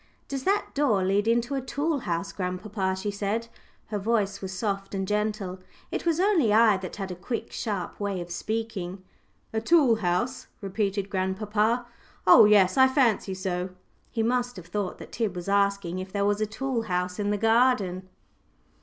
"Does that door lead into a tool house, grandpapa?" she said. Her voice was soft and gentle. It was only I that had a quick, sharp way of speaking. "A tool house?" repeated grandpapa, "oh, yes, I fancy so." He must have thought that Tib was asking him if there was a tool house in the garden.